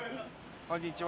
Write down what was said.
こんにちは。